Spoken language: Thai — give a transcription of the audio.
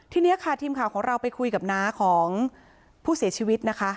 ทีนี้ค่ะทีมข่าวของเราไปคุยกับน้าของผู้เสียชีวิตนะคะ